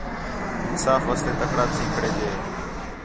انصاف واسطے تکڑا تھی کھڑے جے